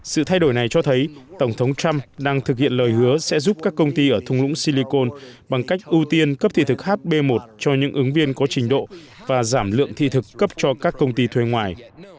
sự thay đổi này cho thấy tổng thống trump đang thực hiện lời hứa sẽ giúp các công ty ở thùng lũng silicon bằng cách ưu tiên cấp thị thực hb một cho những ứng viên có trình độ và giảm lượng thị thực cấp cho các công ty thuê ngoài